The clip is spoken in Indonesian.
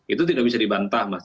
itu tidak bisa dibantah mas